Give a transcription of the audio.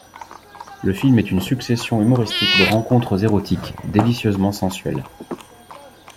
Le film est une succession humoristique de rencontres érotiques, délicieusement sensuelles.